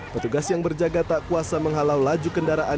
petugas yang berjaga tak kuasa menghalau laju kendaraan